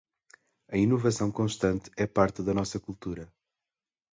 A inovação constante é parte de nossa cultura.